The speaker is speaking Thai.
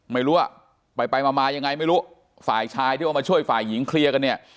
ไม่รู้ว่าไปไปมามายังไงไม่รู้ฝ่ายชายที่ว่ามาช่วยฝ่ายหญิงเคลียร์กันเนี่ย